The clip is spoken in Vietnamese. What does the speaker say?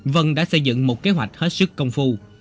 vân đã xây dựng một kế hoạch hết sức công phu